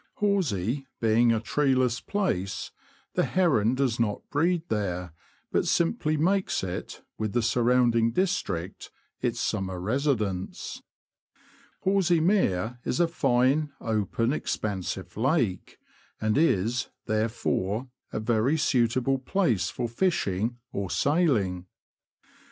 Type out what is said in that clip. Horsey being a treeless place, the heron does not breed there, but simply makes it, with the surrounding district, its summer residence. Horsey Mere is a fine open, expansive lake, and THURNE MOUTH TO HICKLING, ETC. 201 is, therefore, a very suitable place for fishing or sailing.